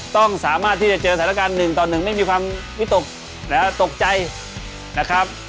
ต้องสามารถที่จะเจอสถานการณ์๑ต่อ๑ไม่มีความวิตกและตกใจนะครับ